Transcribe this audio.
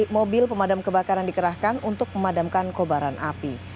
empat mobil pemadam kebakaran dikerahkan untuk memadamkan kobaran api